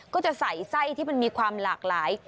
ก็จะใส่ไส้ที่มันมีความหลากหลาย